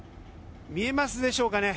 見えますでしょうかね。